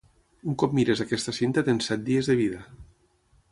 Un cop mires aquesta cinta tens set dies de vida.